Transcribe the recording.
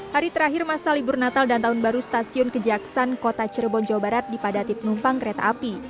hari terakhir masa libur natal dan tahun baru stasiun kejaksan kota cirebon jawa barat dipadati penumpang kereta api